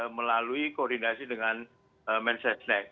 melalui koordinasi dengan mensesnek